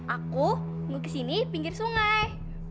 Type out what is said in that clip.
aku nge gukis ini pinggir sungai